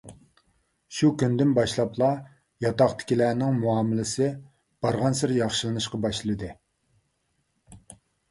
شۇ كۈندىن باشلاپلا ياتاقتىكىلەرنىڭ مۇئامىلىسى بارغانسېرى ياخشىلىنىشقا باشلىدى.